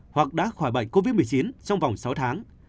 hoặc đã khỏi bệnh covid một mươi chín trong vòng sáu tháng